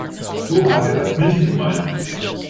So hat er das nicht gemeint.